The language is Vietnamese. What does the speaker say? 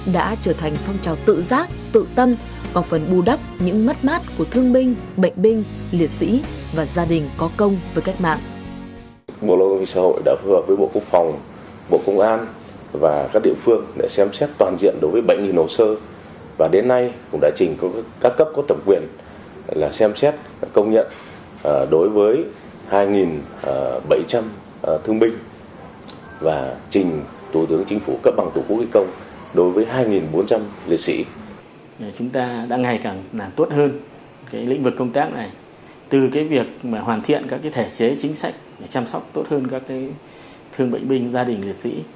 để chăm sóc tốt hơn các thương bệnh binh gia đình liệt sĩ